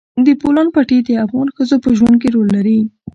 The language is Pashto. د بولان پټي د افغان ښځو په ژوند کې رول لري.